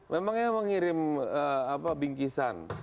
memangnya mengirim bingkisan